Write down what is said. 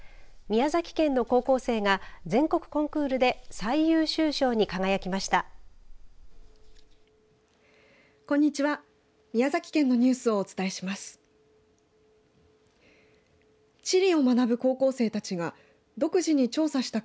宮崎県の高校生が全国コンクールで最優秀賞に輝きました。